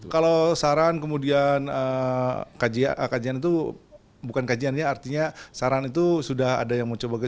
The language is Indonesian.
kalau saran kemudian kajian itu bukan kajian ya artinya saran itu sudah ada yang mau coba